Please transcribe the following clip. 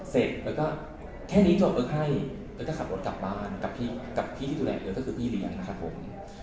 เสร็จแล้วก็แค่นี้จบปุ๊บให้แล้วก็ขับรถกลับบ้านกับพี่ที่ดูแลเธอก็คือพี่เลี้ยงนะครับผม